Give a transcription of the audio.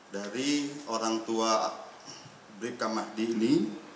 dari orang tua bribka mahdi ini